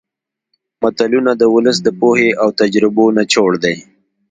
متلونه د ولس د پوهې او تجربو نچوړ دي